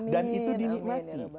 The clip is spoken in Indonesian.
dan itu dinikmati